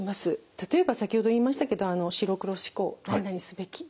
例えば先ほど言いましたけど白黒思考何々すべきですよね。